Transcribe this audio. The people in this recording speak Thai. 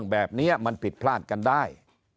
แบบนี้มันผิดพลาดกันได้